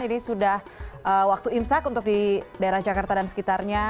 ini sudah waktu imsak untuk di daerah jakarta dan sekitarnya